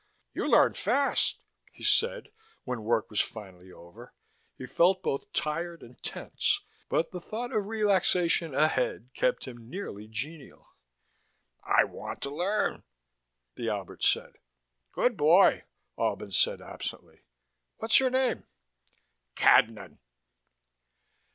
"You learn fast," he said, when work was finally over. He felt both tired and tense, but the thought of relaxation ahead kept him nearly genial. "I want to learn," the Albert said. "Good boy," Albin said absently. "What's your name?" "Cadnan."